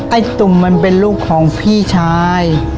ไอ้ตุ่มมันเป็นลูกของพี่ชาย